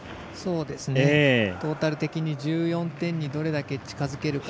トータル的に１４点にどれだけ近づけるか。